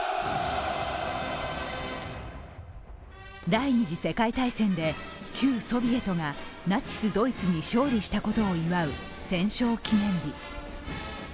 第二次世界大戦で旧ソビエトがナチス・ドイツに勝利したことを祝う戦勝記念日。